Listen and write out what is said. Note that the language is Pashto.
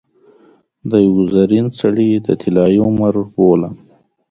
د یوه زرین سړي د طلايي عمر بولم.